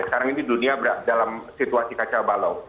sekarang ini dunia dalam situasi kaca balau